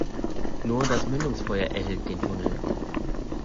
Nur das Mündungsfeuer erhellt den Tunnel.